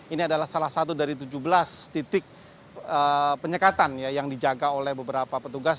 ini adalah salah satu dari tujuh belas titik penyekatan yang dijaga oleh beberapa petugas